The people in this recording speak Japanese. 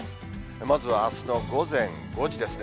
まずはあすの午前５時ですね。